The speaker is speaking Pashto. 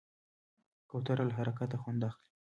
کوتره له حرکته خوند اخلي.